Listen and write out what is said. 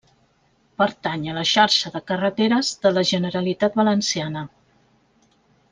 Pertany a la Xarxa de Carreteres de la Generalitat Valenciana.